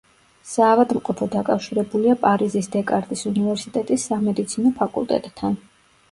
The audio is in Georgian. საავადმყოფო დაკავშირებულია პარიზის დეკარტის უნივერსიტეტის სამედიცინო ფაკულტეტთან.